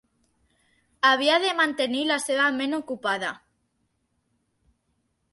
Havia de mantenir la seva ment ocupada.